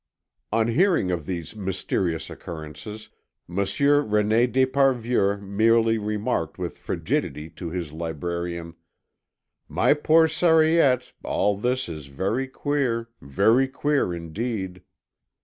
On hearing of these mysterious occurrences, Monsieur René d'Esparvieu merely remarked with frigidity to his librarian: "My poor Sariette, all this is very queer, very queer indeed."